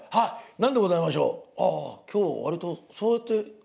何でございましょう？」。